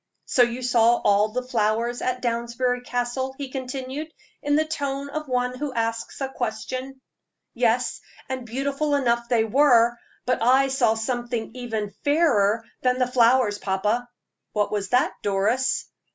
"So you saw all the flowers at Downsbury Castle?" he continued, in the tone of one who asks a question. "Yes, and beautiful enough they were; but I saw something even fairer than the flowers, papa." "What was that, Doris?"